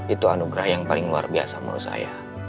itu anugerah yang paling luar biasa menurut saya